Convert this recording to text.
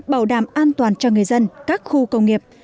bảo đảm an toàn cho người dân các khu công nghiệp